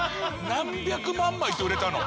何百万枚って売れたの。